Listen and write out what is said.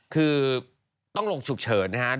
คือต้องลงฉุกเฉินนะครับ